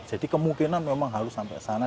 jadi kemungkinan memang harus sampai sana